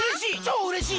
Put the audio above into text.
うれしい！